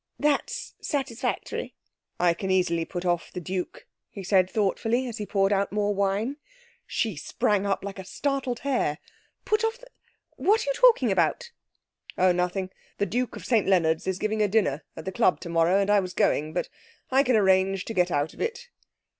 'That's satisfactory.' 'I can easily put off the Duke,' he said thoughtfully, as he poured out more wine. She sprang up like a startled hare. 'Put off the ... what are you talking about?' 'Oh, nothing. The Duke of St Leonard's is giving a dinner at the club tomorrow, and I was going. But I can arrange to get out of it.'